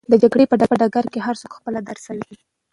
د جګړې په ډګر کې هرڅوک خپله دنده ترسره کوي.